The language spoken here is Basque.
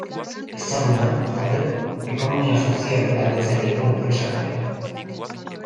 Ezaguna, halaber, ekonomia sozial eraldatzaileko enpresa garela.